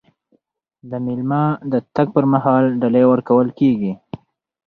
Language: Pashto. د میلمه د تګ پر مهال ډالۍ ورکول کیږي.